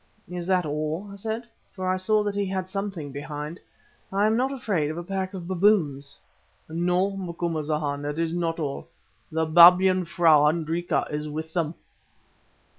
"Is that all?" I said, for I saw that he had something behind. "I am not afraid of a pack of baboons." "No, Macumazahn, it is not all. The Babyan frau, Hendrika, is with them."